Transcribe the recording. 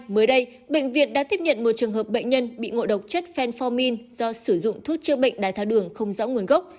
mới đây bệnh viện đã tiếp nhận một trường hợp bệnh nhân bị ngộ độc chất fenformin do sử dụng thuốc chữa bệnh đai thao đường không rõ nguồn gốc